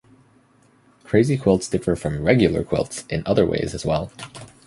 Crazy quilts differ from "regular" quilts in other ways as well.